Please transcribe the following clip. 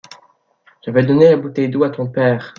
J’avais donné la bouteille d’eau à ton père.